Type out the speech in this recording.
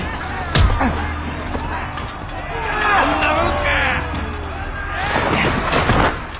そんなもんか！